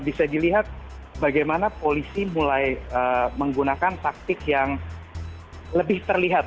bisa dilihat bagaimana polisi mulai menggunakan taktik yang lebih terlihat